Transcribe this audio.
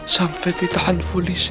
sampai ditahan polisi